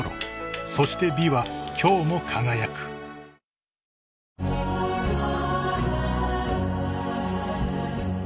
［そして美は今日も輝く］きたきた！